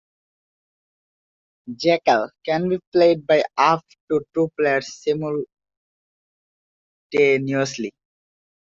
"Jackal" can be played by up to two players simultaneously.